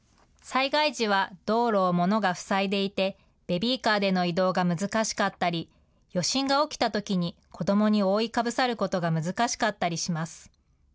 災害時は道路を物が塞いでいてベビーカーでの移動が難しかったり余震が起きたときに子どもに覆いかぶさることが難しかったりします。